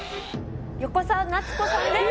横澤夏子さんです。